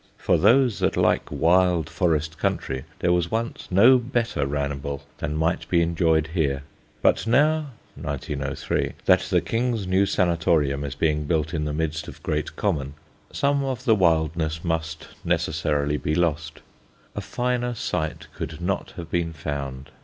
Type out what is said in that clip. For those that like wild forest country there was once no better ramble than might be enjoyed here; but now (1903) that the King's new sanatorium is being built in the midst of Great Common, some of the wildness must necessarily be lost. A finer site could not have been found.